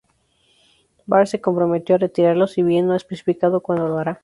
Barr se comprometió a retirarlos, si bien no ha especificado cuándo lo hará.